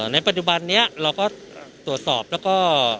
ในปัจจุบันนี้เราก็ตรวจสอบแล้วก็